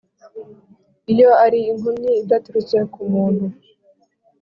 iyo ari inkomyi idaturutse ku muntu